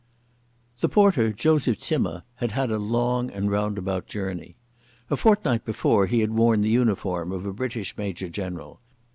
The porter Joseph Zimmer had had a long and roundabout journey. A fortnight before he had worn the uniform of a British major general.